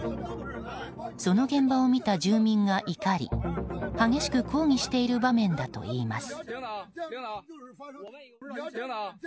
その現場を見た住民が怒り激しく抗議している場面だといいます。